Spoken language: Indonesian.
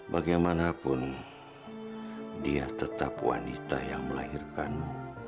bagaimanapun dia tetap wanita yang melahirkanmu